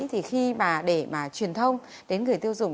thì khi mà để mà truyền thông đến người tiêu dùng